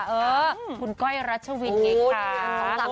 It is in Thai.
เออคุณก้อยรัชวินเก๊คค่ะ